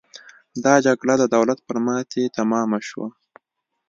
دا جګړه د دولت پر ماتې تمامه شوه.